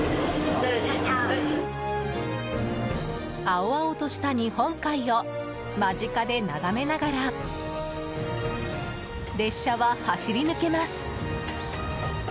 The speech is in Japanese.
青々とした日本海を間近で眺めながら列車は走り抜けます。